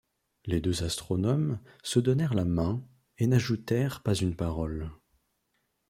Les deux astronomes se donnèrent la main, et n’ajoutèrent pas une parole.